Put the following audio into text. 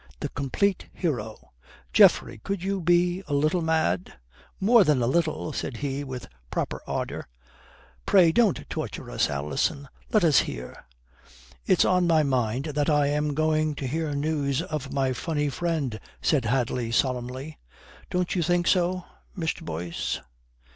The complete hero. Geoffrey, could you be a little mad?" "More than a little," said he with proper ardour. "Pray don't torture us, Alison. Let us hear." "It's on my mind that I am going to hear news of my funny friend," said Hadley solemnly. "Don't you think so, Mr. Boyce?"